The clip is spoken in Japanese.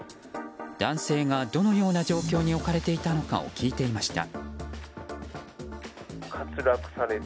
男性が、どのような状況に置かれていたのかを聞いていました。